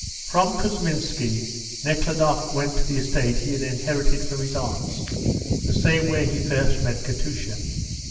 From Kousminski Nekhludoff went to the estate he had inherited from his aunts, the same where he first met Katusha.